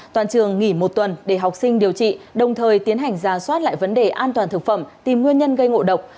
toàn trường nghỉ một tuần để học sinh điều trị đồng thời tiến hành ra soát lại vấn đề an toàn thực phẩm tìm nguyên nhân gây ngộ độc